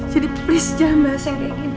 jadi please jangan bahas yang kayak gini